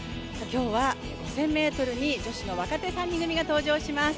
今日は５０００ｍに女子の若手３人組が登場します。